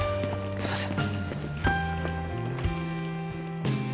すいません